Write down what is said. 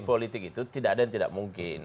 politik itu tidak ada yang tidak mungkin